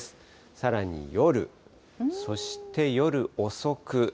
さらに夜、そして夜遅く。